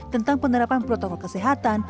tentang penerapan protokol kesehatan